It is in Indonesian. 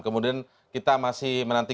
kemudian kita masih menantikan